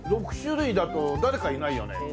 ６種類だと誰かいないよね。